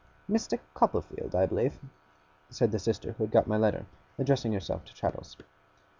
'Mr. Copperfield, I believe,' said the sister who had got my letter, addressing herself to Traddles.